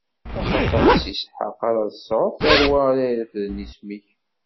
Axaṭer, s Isḥaq ara tesɛuḍ tarwa ara irefden isem-ik.